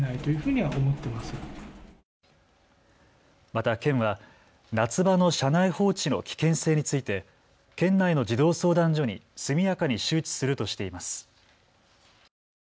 また県は夏場の車内放置の危険性について県内の児童相談所に速やかに周知するとしています。